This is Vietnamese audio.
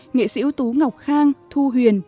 nghệ sĩ ưu tú ngọc khang thu huyền